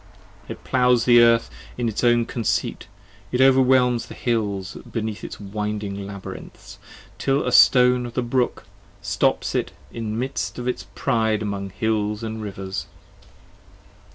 It plows the Earth in its own conceit, it overwhelms the Hills io Beneath its winding labyrinths, till a stone of the brook Stops it in midst of its pride among its hills & rivers.